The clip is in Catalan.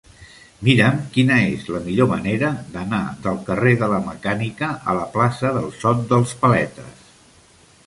Mira'm quina és la millor manera d'anar del carrer de la Mecànica a la plaça del Sot dels Paletes.